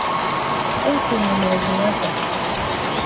okenye maọbụ nwata